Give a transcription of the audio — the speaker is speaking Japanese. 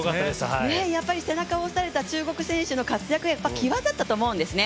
やっぱり、背中を押された中国選手の活躍際だったと思うんですね。